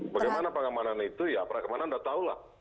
bagaimana keamanan itu ya aparat keamanan anda tahulah